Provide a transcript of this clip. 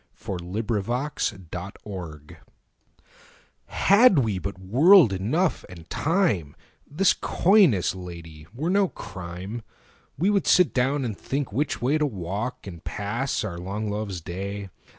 To His Coy Mistress HAD we but world enough, and time, This coyness, Lady, were no crime We would sit down and think which way To walk and pass our long love's day.